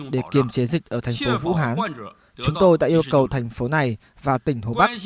để kiềm chế dịch ở thành phố vũ hán chúng tôi đã yêu cầu thành phố này và tỉnh hồ bắc